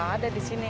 ada di sini